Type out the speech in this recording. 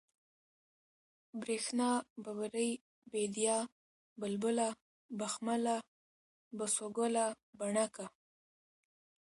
برېښنا ، ببرۍ ، بېديا ، بلبله ، بخمله ، بسوگله ، بڼکه